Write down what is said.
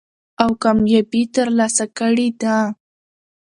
او کاميابي تر لاسه کړې ده.